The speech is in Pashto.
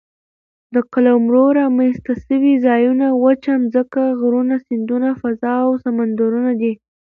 د قلمرو رامنځ ته سوي ځایونه وچه مځکه، غرونه، سیندونه، فضاء او سمندرونه دي.